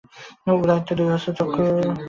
উদয়াদিত্য দুই হস্তে চক্ষু আচ্ছাদন করিলেন।